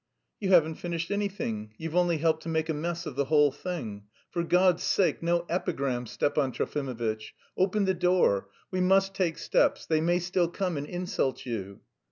"You haven't finished anything, you've only helped to make a mess of the whole thing. For God's sake, no epigrams, Stepan Trofimovitch! Open the door. We must take steps; they may still come and insult you...."